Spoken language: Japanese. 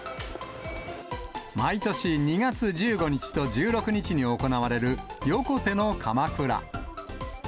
毎年２月１５日と１６日に行われる、横手のかまくら。